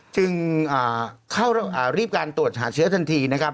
จึงเข้ารีบการตรวจหาเชื้อทันทีนะครับ